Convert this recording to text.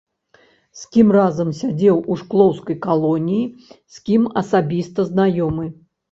З кім разам сядзеў у шклоўскай калоніі, з кім асабіста знаёмы.